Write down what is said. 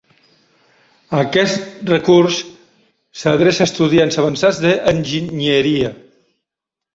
Aquest recurs s'adreça a estudiants avançats d'enginyeria.